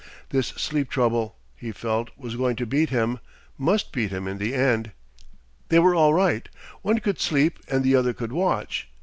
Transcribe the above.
This sleep trouble, he felt, was going to beat him, must beat him in the end. They were all right; one could sleep and the other could watch.